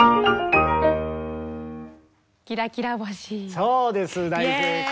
そうです大正解！